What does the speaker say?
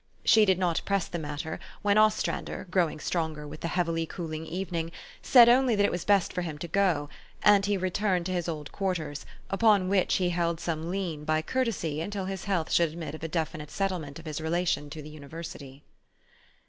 She did not press the matter, when Ostrander, growing . stronger with the heavily cooling evening, said only that it was best for him to go ; and he returned to his old quarters, upon which he held some hen by courtesy until his health should admit of a definite settlement of his relation to the university.